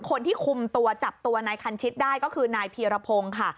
คนที่คุมตัวจับตัวนายคันชิดได้ก็คือนายพีรพงศ์ค่ะ